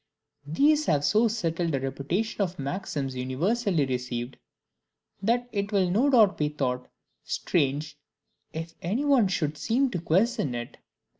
These have so settled a reputation of maxims universally received, that it will no doubt be thought strange if any one should seem to question it.